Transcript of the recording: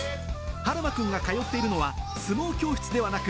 はるま君が通っているのは、相撲教室ではなく、